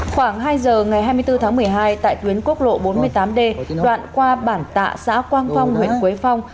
khoảng hai giờ ngày hai mươi bốn tháng một mươi hai tại tuyến quốc lộ bốn mươi tám d đoạn qua bản tạ xã quang phong huyện quế phong